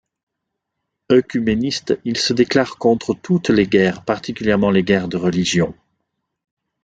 Œcuméniste, il se déclare contre toutes les guerres, particulièrement les guerres de religion.